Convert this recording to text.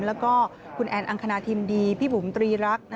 แล้วก็คุณแอนอังคณาทิมดีพี่บุ๋มตรีรัก